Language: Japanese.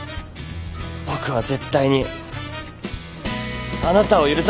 僕は絶対にあなたを許さない！